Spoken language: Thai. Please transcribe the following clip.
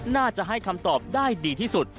น่าจะให้คำตอบได้ดีที่สุด